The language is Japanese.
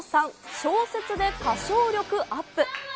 小説で歌唱力アップ。